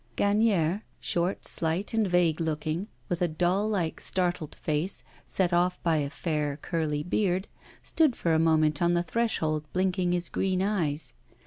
Gagnière, short, slight, and vague looking, with a doll like startled face, set off by a fair curly beard, stood for a moment on the threshold blinking his green eyes.